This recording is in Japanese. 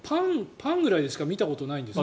パンぐらいでしか見たことないんですが。